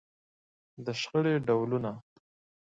د شخړې ډولونه.